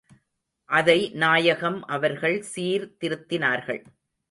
அதை நாயகம் அவர்கள் சீர் திருத்தினார்கள்.